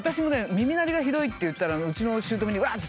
耳鳴りがひどいって言ったらうちのしゅうとめにワ！って